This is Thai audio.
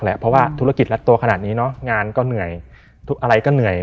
เพราะว่าธุรกิจรัดตัวขนาดนี้เนอะงานก็เหนื่อยอะไรก็เหนื่อย